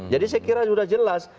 jadi saya kira sudah jelas